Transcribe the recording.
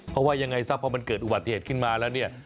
เพราะว่ายังไงซะพอมันเกิดอุบัติเหตุขึ้นมาแล้วเนี่ย